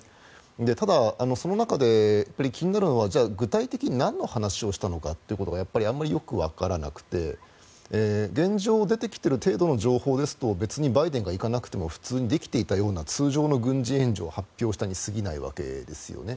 ただ、その中で気になるのは具体的になんの話をしたのかということがやっぱりあまりよくわからなくて現状、出てきている程度の情報ですと別にバイデンが行かなくても普通にできていたような通常の軍事援助を発表したに過ぎないわけですよね。